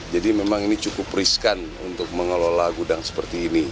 jadi memang ini cukup riskan untuk mengelola gudang seperti ini